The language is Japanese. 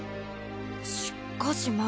しっかしま